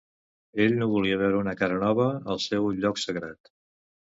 Ell no volia veure una cara nova al seu lloc sagrat.